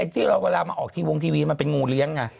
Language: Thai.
ที่เราเวลามาออกทีวงทีวีมันเป็นงูเลี้ยงไง